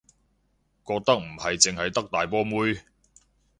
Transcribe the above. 覺得唔會淨係得大波妹